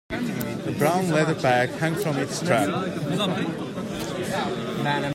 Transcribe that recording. A brown leather bag hung from its strap.